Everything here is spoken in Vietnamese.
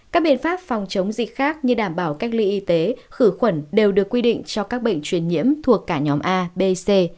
các biện pháp phòng chống dịch khác như đảm bảo cách ly y tế khử khuẩn đều được quy định cho các bệnh truyền nhiễm thuộc cả nhóm a b c